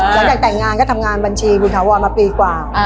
หลังจากแต่งงานก็ทำงานบัญชีคุณถาวรมาปีกว่า